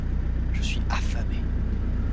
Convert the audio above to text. Je suis affamé.